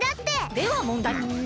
ではもんだい！